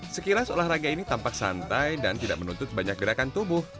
sekilas olahraga ini tampak santai dan tidak menuntut banyak gerakan tubuh